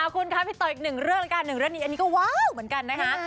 คุณคะไปต่ออีกหนึ่งเรื่องกันอันนี้ก็ว้าวเหมือนกันนะฮะ